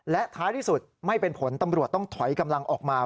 และท้ายที่สุดไม่เป็นผลตำรวจต้องถอยกำลังออกมา